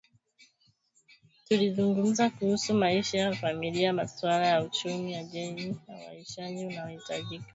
Tulizungumza kuhusu maisha ya familia masuala ya uchumi wa jamii na uhamaishaji tunaohitaji